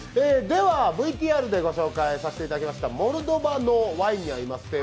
ではＶＴＲで御紹介させていただきましたモルドバ人のワインに合います